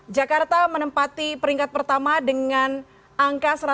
jakarta menempati peringkat pertama dengan angka satu ratus lima puluh